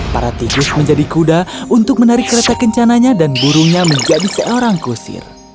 para tikus menjadi kuda untuk menarik kereta kencananya dan burungnya menjadi seorang kusir